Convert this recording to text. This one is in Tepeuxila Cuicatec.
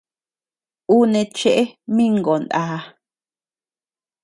Ú neʼe cheʼe mïngó náa.